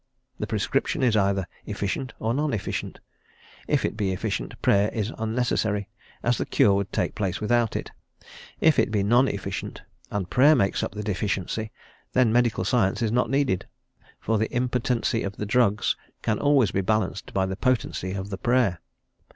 The prescription is either efficient or non efficient; if it be efficient, Prayer is unnecessary, as the cure would take place without it; if it be non efficient, and Prayer makes up the deficiency, then medical science is not needed, for the impotency of the drugs can always be balanced by the potency of the Prayer.